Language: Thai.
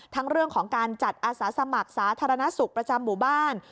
ทั้งเรื่องของการจัดอาสาสมัครสาธารณสุขประจำหมู่บ้าน